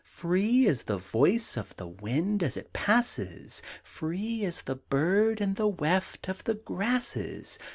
Free as the voice Of the wind as it passes! Free as the bird In the weft of the grasses!